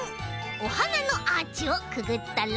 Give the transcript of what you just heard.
おはなのアーチをくぐったら。